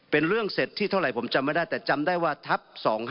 เป็นเรื่องเสร็จที่เท่าไหร่ผมจำไม่ได้แต่จำได้ว่าทัพ๒๕๖